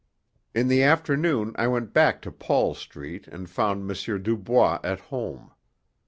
In the afternoon I went back to Paul Street and found M. Dubois at home.